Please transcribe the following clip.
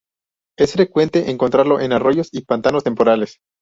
Es frecuente encontrarlo en arroyos y pantanos temporales.